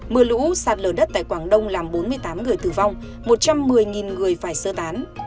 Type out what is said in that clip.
mưa lũ sạt lở đất tại quảng đông làm bốn mươi tám người tử vong một trăm một mươi người phải sơ tán